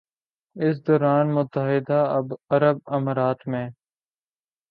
اس دوران متحدہ عرب امارات میں